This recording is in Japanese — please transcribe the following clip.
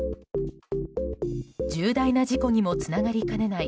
重大な事故にもつながりかねない